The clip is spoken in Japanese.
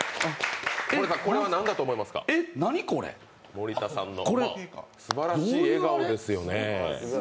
森田さんのすばらしい笑顔ですよね。